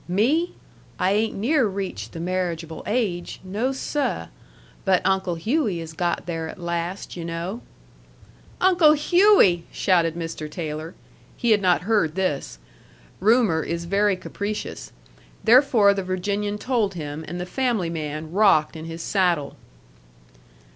"Me! I ain't near reached the marriageable age. No, seh! But Uncle Hughey has got there at last, yu' know." "Uncle Hughey!" shouted Mr. Taylor. He had not heard this. Rumor is very capricious. Therefore the Virginian told him, and the family man rocked in his saddle.